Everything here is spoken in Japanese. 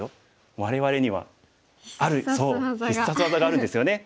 我々にはある必殺技があるんですよね。